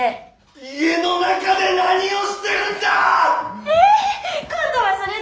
家の中で何をしてるんだァーッ⁉え？